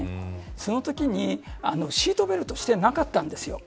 そのときに、シートベルトをしてなかったんですよ。